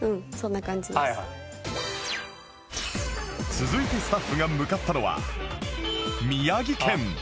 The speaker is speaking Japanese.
続いてスタッフが向かったのは